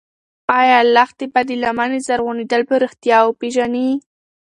ایا لښتې به د لمنې زرغونېدل په رښتیا وپېژني؟